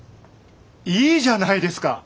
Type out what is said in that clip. いいじゃないですか！